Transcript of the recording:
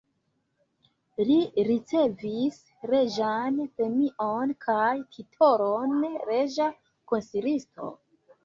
Li ricevis reĝan premion kaj titolon reĝa konsilisto.